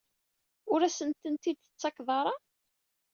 Ur asent-tent-id-tettakeḍ ara?